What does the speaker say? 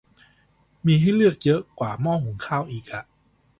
มีให้เลือกเยอะกว่าหม้อหุงข้าวอีกอะ